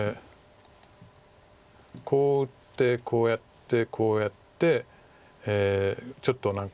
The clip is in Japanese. こう打ってこうやってこうやってちょっと何か。